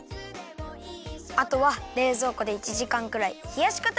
あとはれいぞうこで１じかんくらいひやしかためるよ。